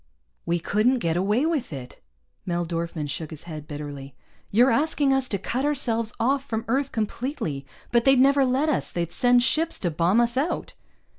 "We couldn't get away with it!" Mel Dorfman shook his head bitterly. "You're asking us to cut ourselves off from Earth completely. But they'd never let us. They'd send ships to bomb us out."